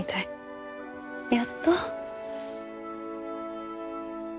やっと。